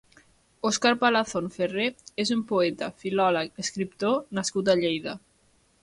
Òscar Palazón Ferré és un poeta, filòleg, escriptor nascut a Lleida.